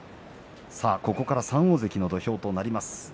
ここから３大関の土俵となります。